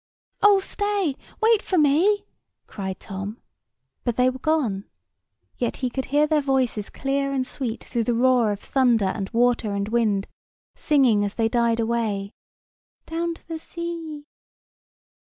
"Oh stay! Wait for me!" cried Tom; but they were gone: yet he could hear their voices clear and sweet through the roar of thunder and water and wind, singing as they died away, "Down to the sea!"